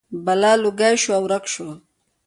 بلا لوګی شو او ورک شو.